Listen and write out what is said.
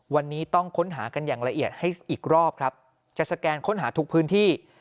วันนี้ต้องค้นหากันอย่างละเอียดให้อีกรอบครับจะสแกนค้นหาทุกพื้นที่